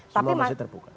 semua masih terbuka